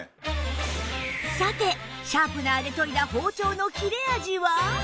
さてシャープナーで研いだ包丁の切れ味は？